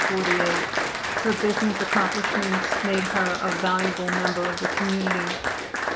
Her business accomplishments made her a valuable member of the community.